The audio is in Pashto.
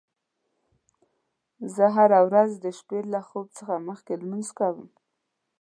زه هره ورځ د شپې له خوب څخه مخکې لمونځ کوم